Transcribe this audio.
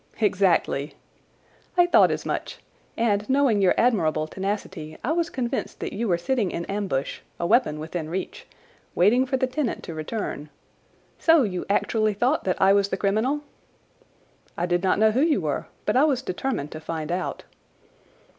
"Exactly." "I thought as much—and knowing your admirable tenacity I was convinced that you were sitting in ambush, a weapon within reach, waiting for the tenant to return. So you actually thought that I was the criminal?" "I did not know who you were, but I was determined to find out."